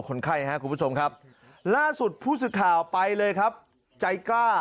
คนไข้ครับคุณผู้ชมครับล่าสุดผู้สื่อข่าวไปเลยครับใจกล้า